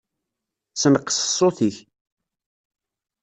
Senqeṣ ṣṣut-ik.